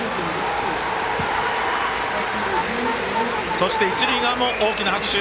そして一塁側も大きな拍手。